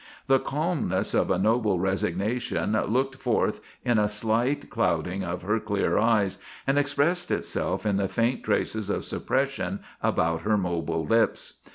The calmness of a noble resignation looked forth in a slight clouding of her clear eyes and expressed itself in the faint traces of suppression about her mobile lips.